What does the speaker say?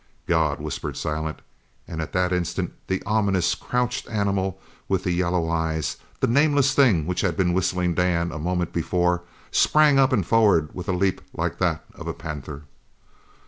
"God!" whispered Silent, and at that instant the ominous crouched animal with the yellow eyes, the nameless thing which had been Whistling Dan a moment before, sprang up and forward with a leap like that of a panther.